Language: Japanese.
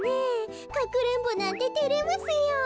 かくれんぼなんててれますよ。